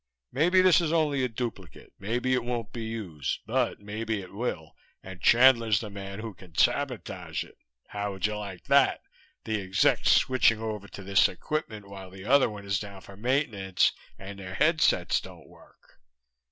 "Maybe this is only a duplicate. Maybe it won't be used. But maybe it will and Chandler's the man who can sabotage it! How would you like that? The execs switching over to this equipment while the other one is down for maintenance and their headsets don't work!"